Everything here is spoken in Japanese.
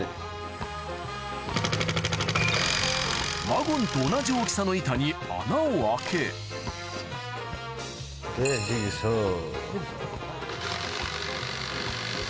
ワゴンと同じ大きさの板にでジグソー。